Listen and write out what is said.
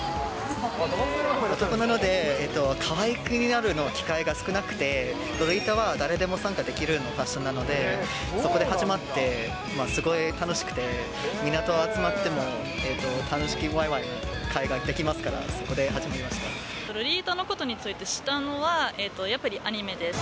男なので、かわいくなる機会が少なくて、ロリータは誰でも参加できるファッションなので、そこで始まって、すごい楽しくて、みんなと集まっても楽しくわいわい会話できますから、そこで始めロリータのことについて知ったのは、やっぱりアニメです。